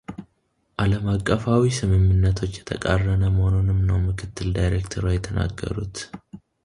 ዓለም አቀፋዊ ስምምነቶች የተቃረነ መሆኑንም ነው ምክትል ዳይሬክተሯ የተናገሩት።